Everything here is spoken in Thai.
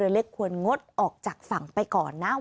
เล็กควรงดออกจากฝั่งไปก่อนนะ